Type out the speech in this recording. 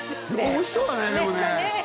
おいしそうだねでもね何かね